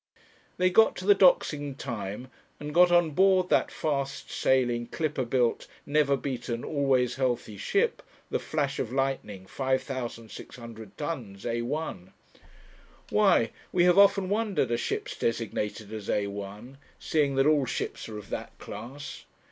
They got to the docks in time, and got on board that fast sailing, clipper built, never beaten, always healthy ship, the Flash of Lightning, 5,600 tons, A 1. Why, we have often wondered, are ships designated as A 1, seeing that all ships are of that class?